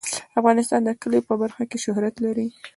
افغانستان د کلیو په برخه کې شهرت لري.